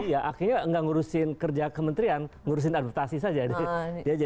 iya akhirnya nggak ngurusin kerja kementerian ngurusin adaptasi saja